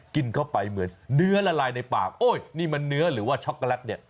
กินเข้าไปเหมือนเนื้อละลายในปากโอ้ยนี่มันเนื้อหรือว่าช็อกโกแลตเนี่ย